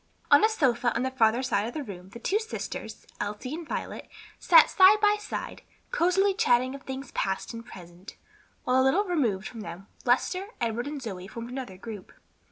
On a sofa on the farther side of the room the two sisters, Elsie and Violet, sat side by side, cosily chatting of things past and present, while a little removed from them Lester, Edward and Zoe formed another group.